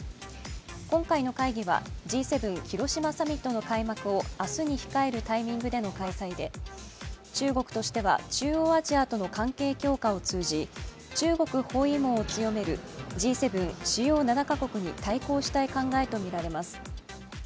今回の会議はＧ７広島サミットの開幕を明日に控えるタイミングでの開催で、中国としては中央アジアとの関係強化を通じ中国包囲網を強めるＧ７＝主要７か国に対抗したい考えとみられます。